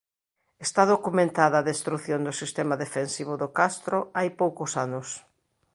Está documentada a destrución do sistema defensivo do castro hai poucos anos.